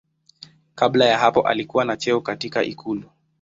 Kabla ya hapo alikuwa na cheo katika ikulu.